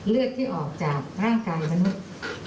เลือดที่ออกจากร่างกายมนุษย์